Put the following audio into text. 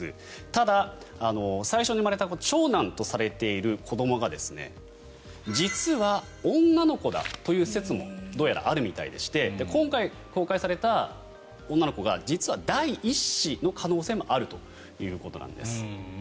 ただ、最初に生まれた子長男とされている子どもが実は女の子だという説もどうやらあるようでして今回、公開された女の子が実は第１子の可能性もあるということなんです。